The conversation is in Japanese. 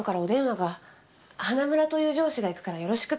花村という上司が行くからよろしくと。